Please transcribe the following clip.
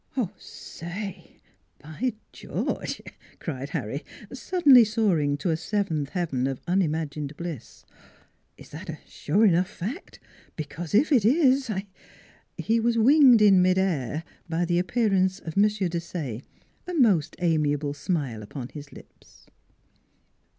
" Say ! by George !" cried Harry, suddenly soaring to a seventh heaven of unimagined bliss. " Is that a sure enough fact? Because if it is j He was winged in mid air by the appearance of M. Desaye, a most amiable smile upon his lips.